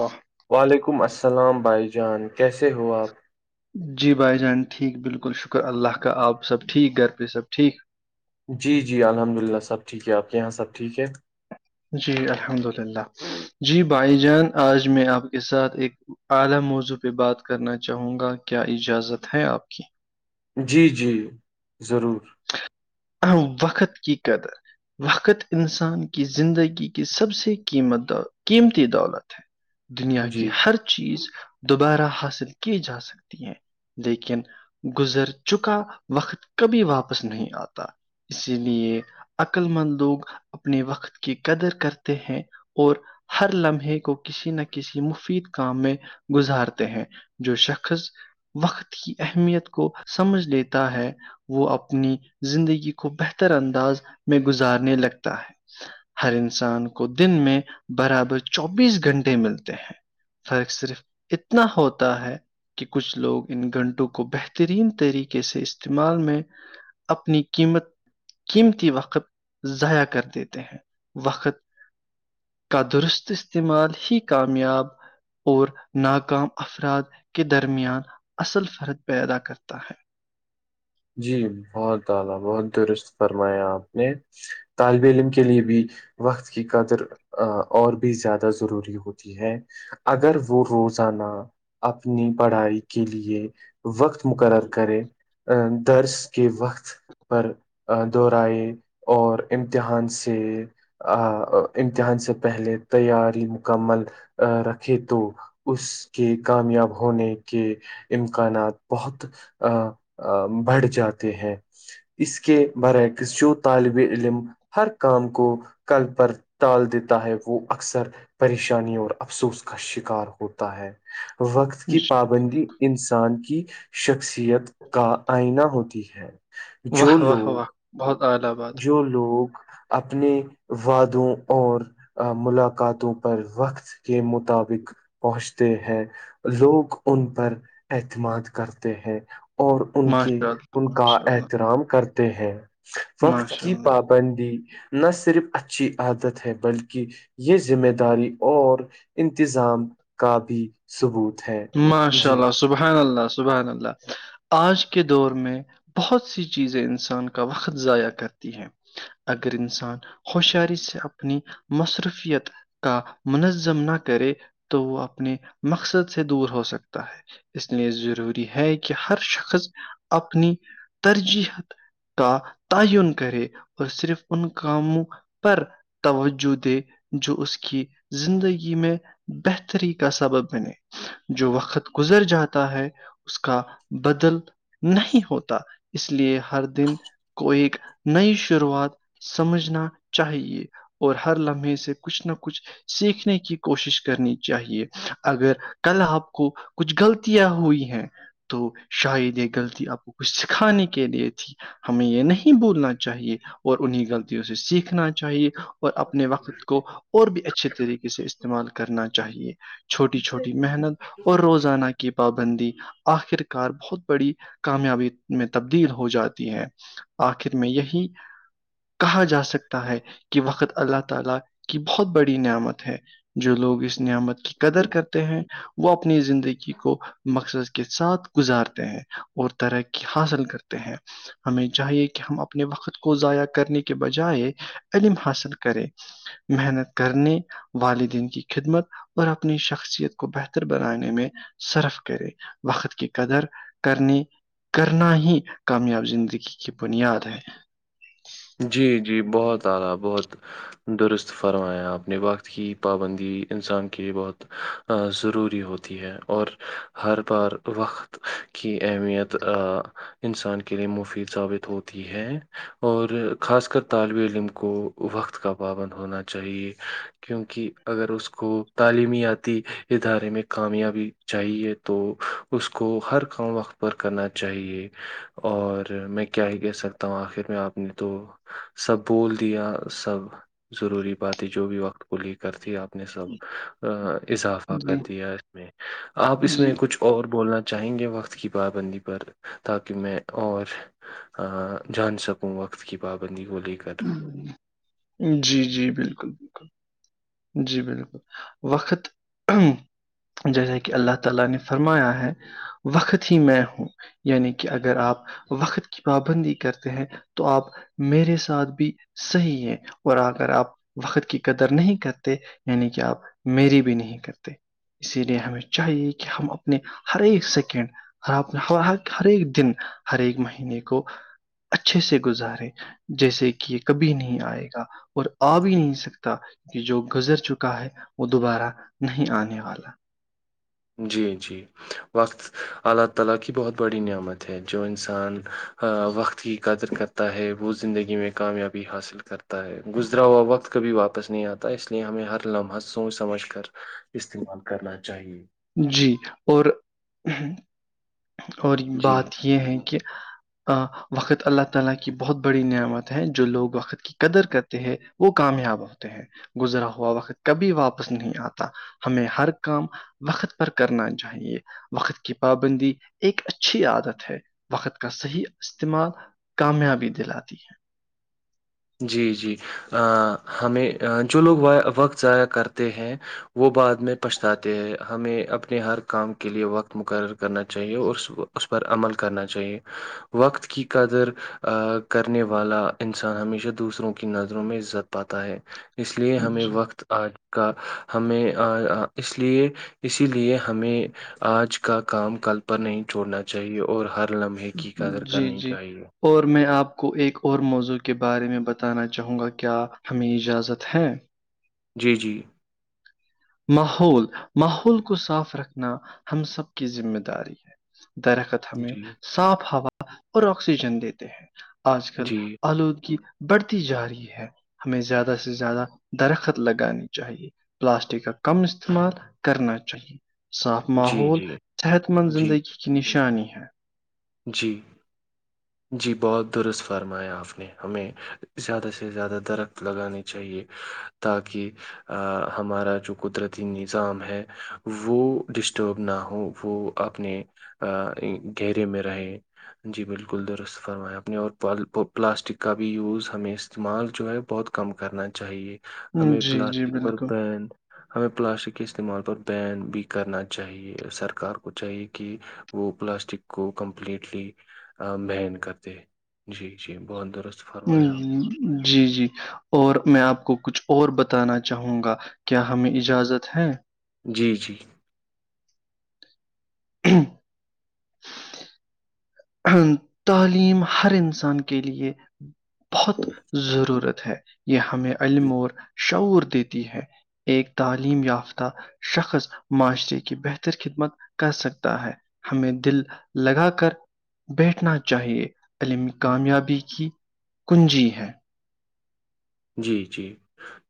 و وعلیکم السلام بھائی جان کیسے ہو آپ جی بھائی جان ٹھیک بالکل شکر اللہ کا آپ سب ٹھیک گھر پہ سب ٹھیک جی جی الحمد للہ سب ٹھیک ہے آپ کے یہاں سب ٹھیک ہے جی الحمد للہ جی بھائی جان آج میں آپ کے ساتھ ایک اعلیموضوع پہ بات کرنا چاہوں گا کیا اجازت ہے آپ کی جی جی ضرور ا وقت کی قدر وقت انسان کی زندگی کی سب سے قیمت قیمتی دالر [inaudible] دنیا کی جی ہر چیز دوبارہ حاصل کی جا سکتی ہیں لیکن گزر چکا وقت کبھی واپس وس نہیں آتا اسی لیے عقل مند لوگ اپنے وقت کی قدر کرتے ہیں اور ہر لمحے کو کسی نہ کسی مفید کام میں گزارتے ہیں جو شخص وقت کی اہمیت کو سمجھ لیتا ہے وہ اپ اپنی زندگی کو بہتر انداز میں گزارنے لگتا ہے ہر انسان کو دن میں برابر چوبیس گھنٹے ملتے ہیں فرق صرف اتنا ہوتا ہے کہ کچھ لوگ ان گھنٹوں کو بہترین طریقے سے استعمال میں اپنی قیمت قیمتی وقت ضائع کر دیتے ہیں وقت کا درست استعمال ہی کامیاب اور ناکام افراد کے درمیان اصل فرد پیدا کرتا ہے جی بہت اعلی بہت درست فرمایا آپ نے طالب علم کے لیے بھی وقت کی قدر اور بھی زیادہ ضروری ہوتی ہے اگر وہ روزانہ اپنی پڑھائی کے لیے وقت مقرر کرے درس کے وقت پر دہرئے اور امتحان سے آ امتحان سے پہلے تیاری مکمل رکھے تو اس کے کامیاب ہونے کے امکانات بہت ا بڑھ جاتے ہیں اس کے برعکس جو طالب علم ہر کام کو کل پر ال دیتا ہے وہ اکثر پریشانی اور افسوس کا شکار ہوتا ہے وقت کی ہے پات بندی انسان کی شخصیت کا آئین ہوتی ہے جو واہ واہ واہ لوگ بہت آ ب جو لوگ اپنے وادوں اور ملاقاتوں پر وقت کےم مطابق پہنچتے ہیں لوگ ان پر اعتماد کرتے ہیں اور ان کے ماشاء ان کا اللہ احترام کرتے ہیں وقت ماشاء اللہ ماشاء کی اللہ پاب بندی نہ صرف اچھی عادت ہے بلکہ یہ ذمہ داری اور انتظام کا بھی ثبوت ہے ماشاء جی اللہ سبحان اللہ سبحان اللہ آج کے دور میں بہت سی چیزیں انسان کا وقت ضائع کرتی ہیں اگر انسان ہوشیاری سے اپنی مصروفیت کا منظم نہ کرے تو وہ اپنے مقصد سے دور ہو سکتا ہے اس لیے ضروری ہے کہ ہر شخص اپنی ترجیحت کا تعین کرے اور صرف ان کاموں پر توجہ د جو اس کی زندگی میں بہتری کا سبب بنے جو وقت گزر جاتا ہے اس کا بدل نہیں ہوتا اس لیے ہر دن کو ایک نئی شروعات سمجھنا چاہیے اور ہر لمحے سے کچھ نہ کچھ سیکھنے کی کوشش کرنی چاہیے اگر کل آپ کو کچھ غلطیاں ہوئی ہیں تو شاید یہ غلطی آپ کو کچھ سکھانے کے لیے تھی ہمیں یہ نہیں بولنا چاہیے اور انہیں غلطیوں سے سیکھنا چاہیے اپنے وقت کو اور بھی اچھے طریقے سے استعمال کرنا چاہیے چھوٹی چھوٹی محنت اور روزانہ کی پابندی آخر کار بہت بڑی کامیابی میں تبدیل ہو جاتی ہے آخر میں یہی کہا جا سکتا ہے کہ وقت اللہ تعالی کی بہت بڑی نعمت ہے جو لوگ اس نعمت کی قدر کرتے ہیں وہ اپنی زندگی کو مقصد کے ساتھ گزارتے ہیں اور ترقی حاصل کرتے ہیں ہمیں چاہیے کہ ہم اپنے وقت کو ضائع کرنے کے بجائے علم حاصل کریں محنت کرنے والدین کی خدمت اور اپنی شخصیت کو بہتر بنانے میں صرف کریں وقت کی قدر کرنی کرنا ہی کامیاب زندگی کی بنیاد ہے جی جی بہت ارہا بہت درست فرمایا آپ نے وقت کی پابندی انسان کےے بہت ضروری ہوتی ہے اور ہر بار وقت کی اہمیت انسان کے لیے مفید ثابت ہوتی ہے اور اور خاص کر طالب علم کو وقت کا پابند ہونا چاہیے کیونکہ اگر اس کو تعلیمیاتی ادارے میں کامیابی چاہیے تو اس کو ہر کام وقت پر کرنا چاہیے اور میں کیا ہی کہہ سکتا ہوں آخر میں آپ نے تو سب بول دیا سب ضروری باتیں جو بھی وقت کو ل کرتی آپ نے سب اضافہ کر جی دیا اس میں آپ اس جی میں کچھ اور بولنا چاہیں گے وقت کی پابندی پر تاکہ میں اور جان سکوں وقت کی پابندی کو لے کے جی جی بالکل بالکل جی بالکل وقت [unintelligible] یعنی کہ اگر آپ وقت کی پابندی کرتے ہیں تو آپ میرے ساتھ بھی صحیح ہے اور اگر آپ وقت کی قدر نہیں کرتے یعنی کہ آپ میری بھی نہیں کرتے اسی لیے ہمیں چاہیے کہ ہم اپنے ہر ایک سیکنڈ ہر آپ نے خ ہر ایک دن ہر ایک مہینے کو اچھے سے گزارے جیسے کہ یہ کبھی نہیں آئے گا اور آ بھی نہیں سکتا کہ جوگ گزر چکا ہے وہ دوبارہ نہیں آنے والا جی جی وقت [unintelligible] ہے وہ زندگی میں کامیابی حاصل کرتا ہے گزرا ہوا وقت کبھی واپس نہیں آتا اس لیے ہمیں ہر لمحہ سوچ سمجھ کر استعمال کرنا چاہیے جی اور اور جی بات یہ ہے کہ [unintelligible] وہ کامیاب ہوتے ہیں گزرا ہوا وقت کبھی واپس نہیں آتا ہمیں ہر کام وقت پر کرنا چاہیے وقت کی پابندی ایک اچھی عادت ہے وقت کا صحیح استعمال کامیابی دلاتی ہے جی جی ہمیں جو لوگ وقت ضائع کرتے ہیں وہ بعد میں پچھتاتے ہیں ہمیں اپنے ہر کام کے لئے وقت مقرر کرنا چاہیے اور اس پر عمل کرنا چاہیے وقت کی قدر کرنے والا انسان ہمیشہ دوسروں کی نظروں میں عزت پاتا ہے اس لیے ہے ہمیں جی وقت آج کا ہمیں اس لیے اسی لیے ہمیں آج کا کام کل پر نہیں چھوڑنا چاہیے اور ہر لمحے کی قدر جی کرنی جی چاہیے اور میں آپ کو ایک اور موضوع کے بارے میں بتانا چاہوں گا کیا ہمیں اجازت ہے جی جی ماحول ماحول کو صاف رکھنا ہم سب کی ذمہ داری ہے درخت ہمیں جی صاف ہوا اور آکسیجن دیتے ہیں آج کل جی آلودگی بڑھتی جا رہی ہے ہمیں زیادہ سے زیادہ درخت لگانی چاہیے پلاسٹک کا کم استعمال کرنا چاہیے صاف جی ماحول جی صحت مند جی زندگی کی نشانی ہے جی جی بہت درست فرمایا آپ نے ہمیں زیادہ سے زیادہ درخت لگانے چاہیے تاکہ ہمارا جو قدرتی نظام ہے وہ ڈسٹرب نہ ہووں وہ اپنے گہرے میں رہے جی بالکل درست فرمائے اپنے اور پلاسٹک کا بھی یوز ہمیں استعمال جو ہے بہت کم کرنا چاہیے ہے ہمیں جی جی پلاسٹک پر بالکل بین ہمیں پلاسٹک کے استعمال پر بین بھی کرنا چاہیے سرکار کو چاہیے کہ وہ پلاسٹک کو کمپلیٹلی مہن کرتے جی جی بہت درست فرمایا آپ جی جی اور میں آپ کو کچھ اور بتانا چاہوں گا کیا ہمیں اجازت ہے جی جی [inaudible] تعلیم ہر انسان کے لیے بہت ضرورت ہے یہ ہمیں علم اور شعور دیتی ہے ایک تعلیم یافتہ شخص معاشرے کی بہتر خدمت کر سکتا ہے ہمیں دل لگا کر بیٹھنا چاہیے علمی کامیابی کی کنجی ہے جی جی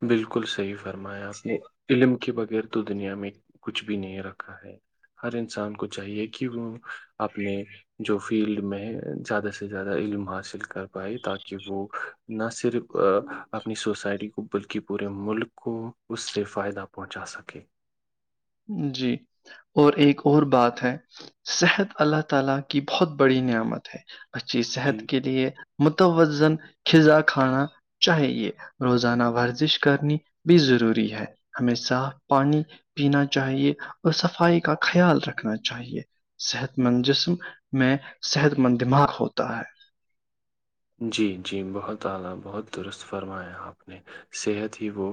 بالکل صحیح فرمایا آپ نے علم کے بغیر تو دنیا میں کچھ بھی نہیں رکھا ہے ہر انسان کو چاہیے کہ وہ اپنے جو فیلڈ میں زیادہ سے زیادہ علم حاصل کر پائے تاکہ وہ نہ صرف اپنی سوسائٹی کو بلکہ پورے ملک کو اس سے فائدہ پہنچا سکے جی اور ایک اور بات ہے صحت اللہ تعالی کی بہت بڑی نعمت ہے اچھی جی صحت کے لیے متوزن کزاں کھانا چاہیے روزانہ ورزش کرنی بھی ضروری ہے ہمیں صاف پانی پینا چاہیے اور صفائی کا خیال رکھنا چاہیے صحت مند جسم میں صحت مند دماغ ہوتا ہے جی جی بہت اعلی بہت درست فرمایا آپ نے صحت ہی وہ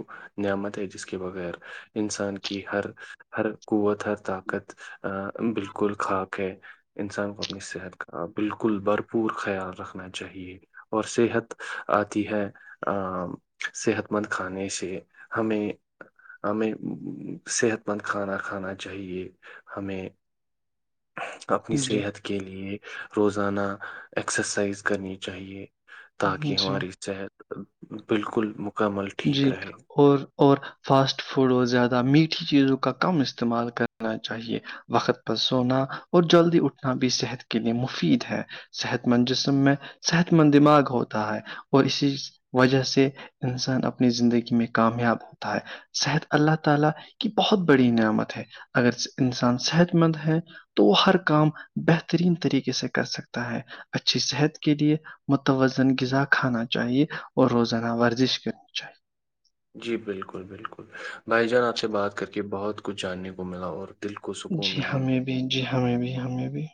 نعمت ہے جس کے بغیر انسان کی ہر ہر قوت ہر طاقت ا بالکل خاک ہے انسان کو اپنی صحت کا بالکل بھرپور خیال رکھنا چ چاہیے اور صحت آتی ہے ا صحت مند کھانے سے ہمیں ہمیں صحت مند کھانا کھانا چاہیے ہمیں اپنی ہے جی صحت کے لیے روزانہ ایکسرسائز کرنی چاہیے تاکہ جی ہماری صحت بالکل مکمل ٹھیک جی رہے اور اور فاسٹ فوڈ اور زیادہ میٹھی چیزوں کا کم استعمال کرنا چاہیے وقت پر سونا اور جلدی اٹھنا بھی صحت کے لیے مفید ہے صحت مند جسم میں صحت مند دماغ ہوتا ہے اور اسی وجہ سے انسان اپنی زندگی میں کامیاب ہوتا ہے صحت اللہ تعالی کی بہت بڑی نعمت ہے اگر انسان صحت مند ہے تو وہ ہر کام بہترین طریقے سے کر سکتا ہے اچھی صحت کے لیے متوازن غذا کھانا چاہیے اور روزانہ ورزش کر اچھا جی بالکل بالکل بھائی جان آپ سے بات کر کے بہت کچھ جاننے کو ملا اور دل کو سکون جی ملا ہمیں بھی جی ہمیں بھی ہمیں بھی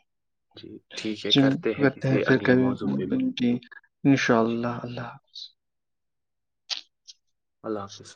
جی ٹھیک ہے کرتے جتے ہیں کسی پھر اگلے کبھی موضوع پہ بات۔ ج ان شاء جی اللہ اللہ حافظ اللہ حافظ